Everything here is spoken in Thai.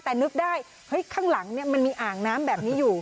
แต่นึกได้เฮ้ยข้างหลังมันมีอ่างน้ำแบบนี้อยู่